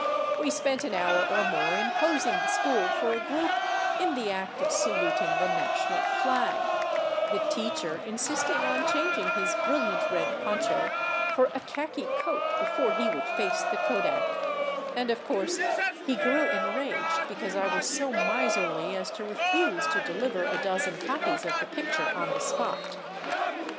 We spent an hour or more in posing the school for a group in the act of saluting the national flag, the " teacher " insisting on changing his brilliant red poncho for a khaki coat before he would face the kodak, and of course he grew enraged because I was so miserly as to refuse to deliver a dozen copies of the picture on the spot.